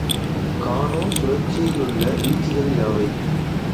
கானோ சுழற்சியிலுள்ள வீச்சுகள் யாவை?